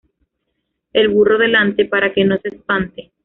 El burro delante, para que no se espante